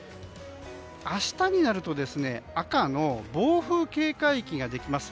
明日になると赤の暴風警戒域ができます。